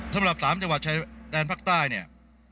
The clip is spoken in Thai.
สำหรับ๓จังหวัดชายแดนภาคใต้เนี่ย